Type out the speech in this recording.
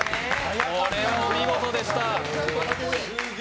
これはお見事でした。